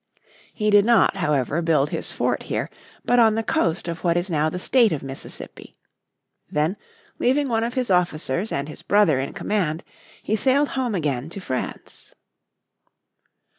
He did not, however, build his fort here, but on the coast of what is now the State of Mississippi. Then, leaving one of his officers and his brother in command, he sailed home again to France.